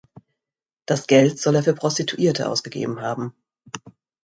Das Geld soll er für Prostituierte ausgegeben haben.